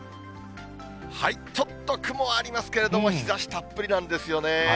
ちょっと雲はありますけれども、日ざしたっぷりなんですよね。